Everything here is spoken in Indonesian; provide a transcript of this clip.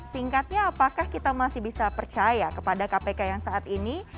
singkatnya apakah kita masih bisa percaya kepada kpk yang saat ini